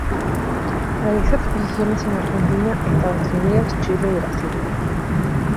Realizó exposiciones en Argentina, Estados Unidos, Chile y Brasil.